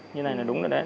như này là đúng rồi đấy